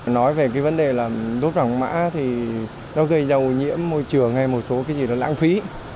nói về cái vấn đề là đốt vàng mã thì nó gây dầu nhiễm môi trường hay một số cái gì đó lãng phí